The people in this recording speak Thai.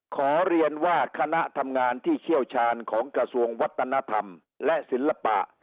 ขอเรียนว่าคณะทำงานที่เชี่ยวชาญของกระทรวงวัฒนธรรมและศิลปะ